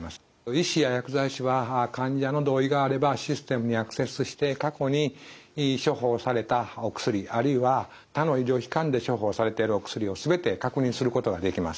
医師や薬剤師は患者の同意があればシステムにアクセスして過去に処方されたお薬あるいは他の医療機関で処方されているお薬をすべて確認することができます。